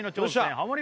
ハモリ